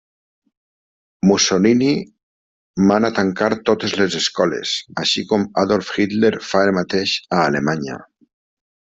Mussolini mana tancar totes les escoles, així com Adolf Hitler fa el mateix a Alemanya.